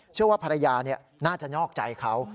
เชื่อว่าภรรยาน่าจะนอกใจเขา